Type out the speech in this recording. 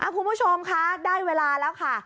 คุณผู้ชมคะได้เวลาแล้วค่ะ